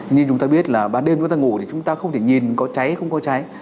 như chúng ta biết là ban đêm chúng ta ngủ thì chúng ta không thể nhìn có cháy không có cháy